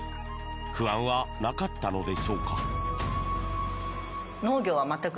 不安はなかったのでしょうか？